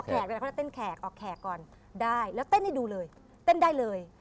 เวลาเขาจะเต้นแขกออกแขกก่อนได้แล้วเต้นให้ดูเลยเต้นได้เลย